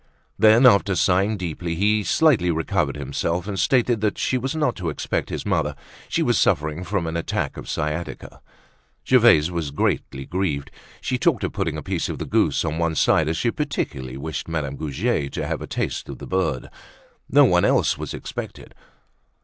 Then, after sighing deeply, he slightly recovered himself and stated that she was not to expect his mother; she was suffering from an attack of sciatica. Gervaise was greatly grieved; she talked of putting a piece of the goose on one side as she particularly wished Madame Goujet to have a taste of the bird. No one else was expected.